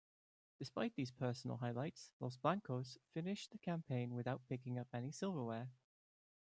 Despite these personal highlights, "Los Blancos" finishing the campaign without picking up any silverware.